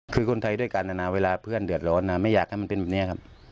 คือคนไทยด้วยกันนะนะเวลาเพื่อนเดือดร้อนนะไม่อยากให้มันเป็นแบบนี้ครับ